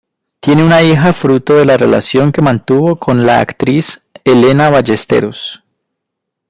Tiene una hija fruto de la relación que mantuvo con la actriz Elena Ballesteros.